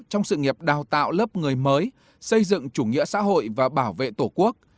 trong sự nghiệp đào tạo lớp người mới xây dựng chủ nghĩa xã hội và bảo vệ tổ quốc